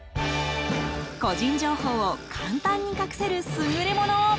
個人情報を簡単に隠せる優れもの。